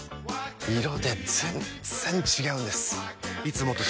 色で全然違うんです！